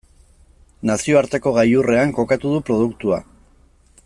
Nazioarteko gailurrean kokatu du produktua.